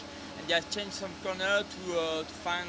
mereka telah mengubah beberapa sudut untuk menemukan